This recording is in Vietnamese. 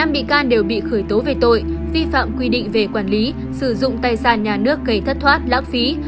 năm bị can đều bị khởi tố về tội vi phạm quy định về quản lý sử dụng tài sản nhà nước gây thất thoát lãng phí